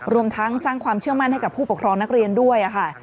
รวมทั้งสร้างความเชื่อมั่นให้กับผู้ปกครองนักเรียนด้วยค่ะ